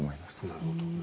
なるほど。